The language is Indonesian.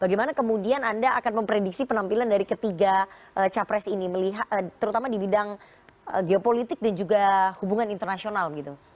bagaimana kemudian anda akan memprediksi penampilan dari ketiga capres ini terutama di bidang geopolitik dan juga hubungan internasional gitu